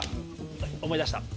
思い出した！